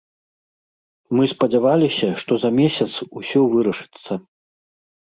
Мы спадзяваліся, што за месяц усё вырашыцца.